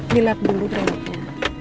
dilap dulu keringatnya